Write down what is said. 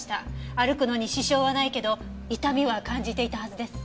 歩くのに支障はないけど痛みは感じていたはずです。